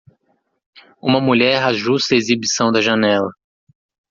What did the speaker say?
Uma mulher ajusta a exibição da janela.